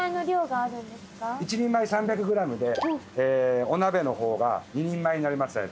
１人前３００ｇでお鍋の方が２人前になりますので６００ｇ。